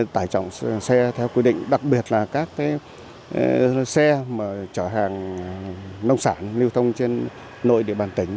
tải trọng xe theo quy định đặc biệt là các xe chở hàng nông sản lưu thông trên nội địa bàn tỉnh